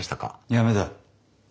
やめだ。